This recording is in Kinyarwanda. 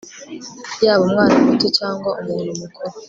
yaba umwana muto cyangwa umuntu mukuru